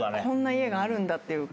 こんな家があるんだって。